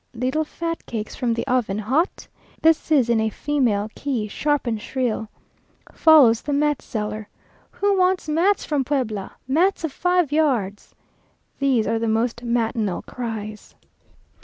"Little fat cakes from the oven, hot?" This is in a female key, sharp and shrill. Follows the mat seller. "Who wants mats from Puebla? mats of five yards?" These are the most matinal cries.